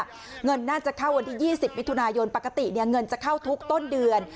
เงินน่าจะเข้าวันที่๒๐มิถุนายนปกติเงินจะเข้าทุกต้นเดือน